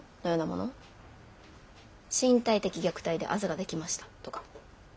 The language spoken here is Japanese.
身体的虐待であざができましたとか。